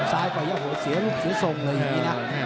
ซ้ายไปเสียลูกเสียทรงเลย